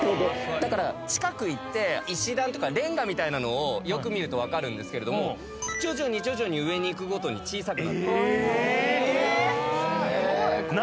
だから近く行って石段とかレンガみたいなのをよく見ると分かるんですけども徐々に徐々に上に行くごとに小さくなってる。